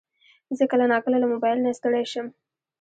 زه کله ناکله له موبایل نه ستړی شم.